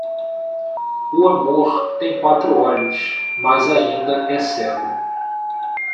O amor tem quatro olhos, mas ainda é cego.